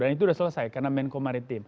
dan itu sudah selesai karena menko maritim